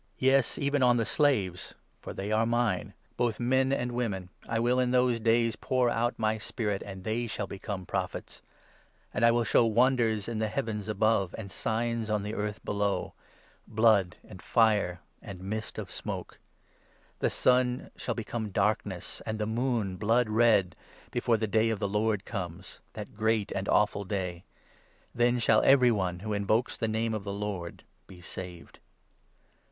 Yes, even on the slaves — for they are mine — both men and 18 women, I will in those days pour out my Spirit, And they shall become Prophets ; And I will show wonders in the heavens above, 19 And signs on the earth below — Blood and fire and mist of smoke ; The sun shall become darkness, 20 And the moon blood red, Before the Day of the Lord comes — that great and awful day. Then shall every one who invokes the Name of the Lord 21 be saved.'